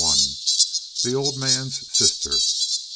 The Old Man's Sister.